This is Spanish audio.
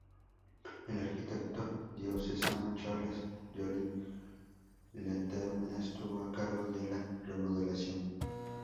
El arquitecto diocesano Charles Joly-Leterme estuvo a cargo de la remodelación.